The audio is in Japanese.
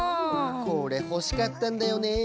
これほしかったんだよね。